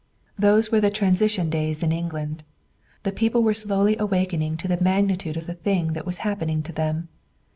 Those were the transition days in England. The people were slowly awaking to the magnitude of the thing that was happening to them.